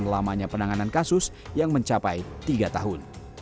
lamanya penanganan kasus yang mencapai tiga tahun